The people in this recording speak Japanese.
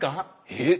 えっ！